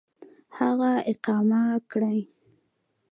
هغه اقامه كړي .